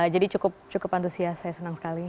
jadi cukup antusias saya senang sekali